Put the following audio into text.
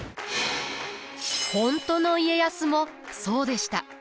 本当の家康もそうでした。